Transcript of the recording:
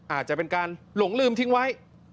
อาจจะเป็นการหลงลืมทิ้งไว้